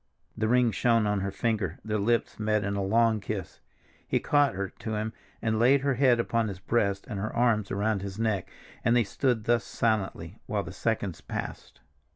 The ring shone on her finger, their lips met in a long kiss. He caught her to him and laid her head upon his breast and her arms around his neck, and they stood thus, silently, while the seconds passed.